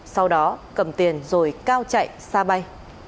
sau đó cầm tiền rồi cao chạy xa bay